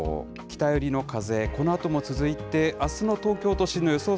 北寄りの風、このあとも続いて、あすの東京都心の予想